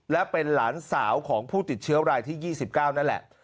และเป็นหลานสาวของผู้ติดเชื้อรายที่๒๙นั่นแหละ